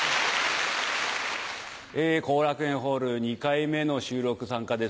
後楽園ホール２回目の収録参加です。